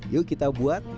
yuk kita buat